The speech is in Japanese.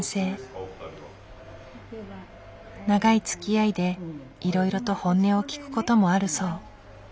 長いつきあいでいろいろと本音を聞く事もあるそう。